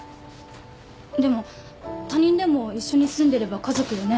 でも他人でも一緒に住んでれば家族よね。